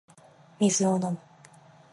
水を飲む